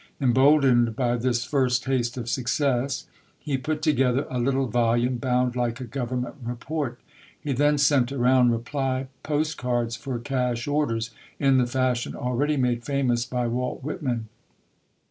Emboldened by this first taste of success, he put together a little volume bound like a Government report; he then sent around reply post cards for cash orders, in the fashion already made famous by Walt Whitman.